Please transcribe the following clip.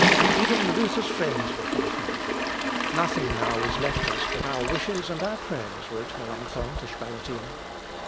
Even Luther's friends were frightened. "Nothing now is left us but our wishes and our prayers," wrote Melancthon to Spalatin.